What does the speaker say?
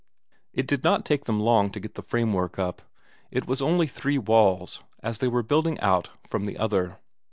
It did not take them long to get the framework up; it was only three walls, as they were building out from the other.